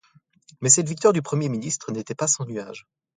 Mais cette victoire du premier ministre n'était pas sans nuage.